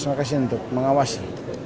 terima kasih untuk mengawasi